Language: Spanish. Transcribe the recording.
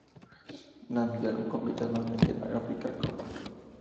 Namibia compite anualmente en la Africa Cup.